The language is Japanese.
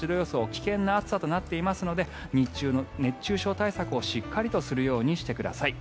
危険な暑さとなっていますので日中の熱中症対策をしっかりするようにしてください。